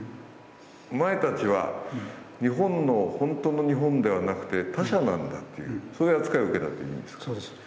お前たちは日本の、本当の日本ではなくて、他者なんだという、そういう扱いを受けたという意味ですか？